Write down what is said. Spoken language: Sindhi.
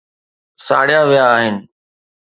ساڙيا ويا آهن